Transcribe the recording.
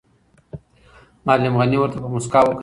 معلم غني ورته په موسکا وکتل.